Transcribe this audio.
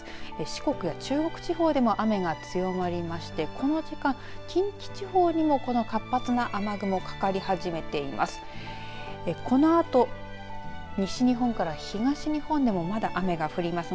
四国や中国地方でも雨が強まりましてこの時間、近畿地方にもこの活発な雨雲かかり始めています。